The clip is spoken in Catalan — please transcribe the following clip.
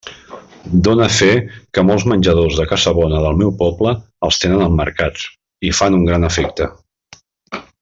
Done fe que molts menjadors de casa bona del meu poble els tenen emmarcats, i fan un gran efecte.